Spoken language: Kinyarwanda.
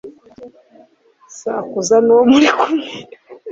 Sakuza n'uwo muri kumwe